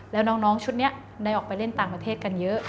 แล้วน้องชุดนี้ได้ออกไปเล่นต่างประเทศกันเยอะ